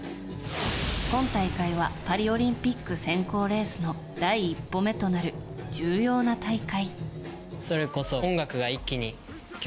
今大会はパリオリンピック選考レースの第一歩目となる重要な大会。